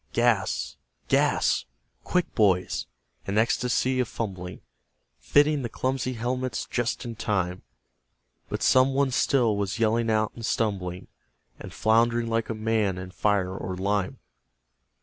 Gas! GAS! Quick, boys! An ecstasy of fumbling, Fitting the clumsy helmets just in time; But someone still was yelling out and stumbling And flound'ring like a man in fire or lime...